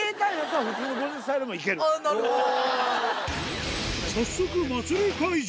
なるほど。